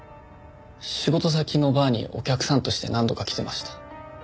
仕事先のバーにお客さんとして何度か来てました。